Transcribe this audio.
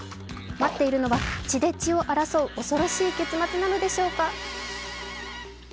待っているのは血で血を争う恐ろしい結末なのでしょうか。